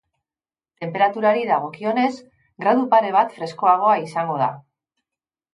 Tenperaturari dagokionez, gradu pare bat freskoagoa izango da.